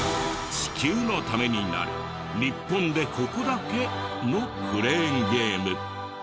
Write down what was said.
地球のためになる日本でここだけ！？のクレーンゲーム。